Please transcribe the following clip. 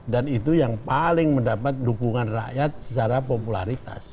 dan itu yang paling mendapat dukungan rakyat secara popularitas